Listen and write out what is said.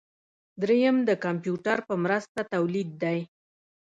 دریم د کمپیوټر په مرسته تولید دی.